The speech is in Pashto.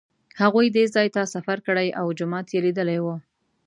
هغوی دې ځای ته سفر کړی و او جومات یې لیدلی و.